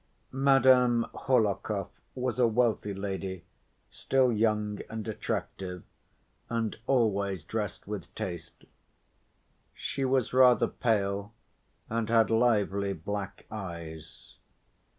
Madame Hohlakov was a wealthy lady, still young and attractive, and always dressed with taste. She was rather pale, and had lively black eyes.